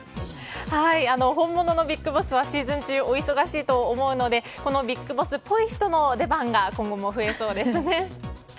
本物のＢＩＧＢＯＳＳはシーズン中お忙しいと思うのでこのＢＩＧＢＯＳＳっぽい人の出番が今後も増えそうですね。